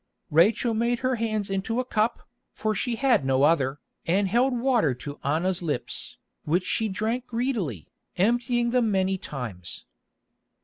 Rachel made her hands into a cup, for she had no other, and held water to Anna's lips, which she drank greedily, emptying them many times.